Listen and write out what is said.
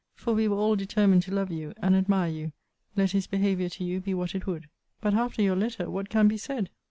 For we were all determined to love you, and admire you, let his behaviour to you be what it would. But, after your letter, what can be said?